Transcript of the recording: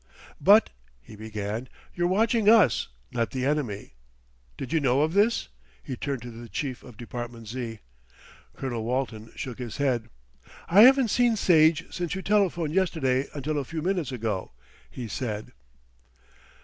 "But," he began, "you're watching us, not the enemy. Did you know of this?" he turned to the chief of Department Z. Colonel Walton shook his head. "I haven't seen Sage since you telephoned yesterday until a few minutes ago," he said.